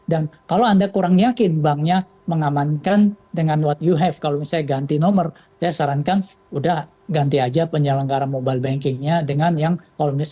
dan kalau anda kurang yakin banknya mengamankan dengan what you have kalau misalnya ganti nomor saya sarankan sudah ganti aja penyelenggara mobile bankingnya dengan yang kalau misalnya terjadi